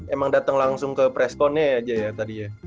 emang dateng langsung ke pressconnya aja ya tadi ya